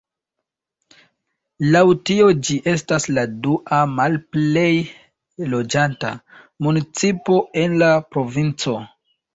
Laŭ tio ĝi estas la dua malplej loĝata municipo en la provinco.